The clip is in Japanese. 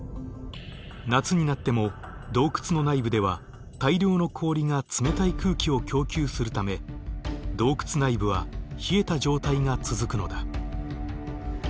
夏になっても洞窟の内部では大量の氷が冷たい空気を供給するため洞窟内部は冷えた状態が続くのだ。